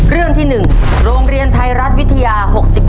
เรื่องที่๑โรงเรียนไทยรัฐวิทยา๖๑